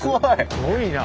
すごいな！